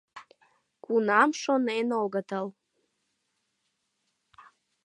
— Кунам шонен огытыл.